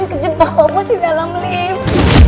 andin kejebak pak bos di dalam lift